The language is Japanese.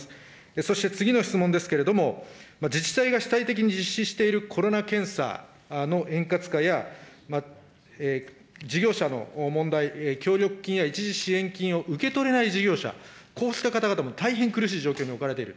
そして次の質問ですけれども、自治体が主体的に実施しているコロナ検査の円滑化や、事業者の問題、協力金や一時支援金を受け取れない事業者、こうした方々も大変苦しい状況に置かれている。